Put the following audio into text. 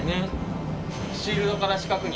シールドから四角に。